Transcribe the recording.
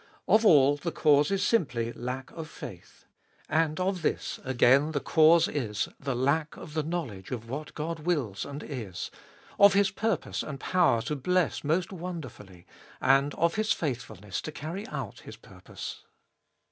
Of all the cause is simply — lack of faith. And of this again the 222 £be iboltest of cause is — the lack of the knowledge of what God wills and is, of His purpose and power to bless most wonderfully, and of His faithfulness to carry out His purpose.